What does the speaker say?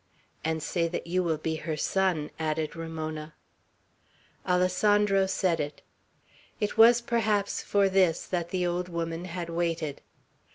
"And say that you will be her son," added Ramona. Alessandro said it. It was perhaps for this that the old woman had waited.